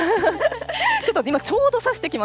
ちょっと今、ちょうどさしてきま